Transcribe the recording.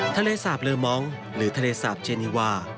ทะเลสาบเลอมองหรือทะเลสาปเจนีวา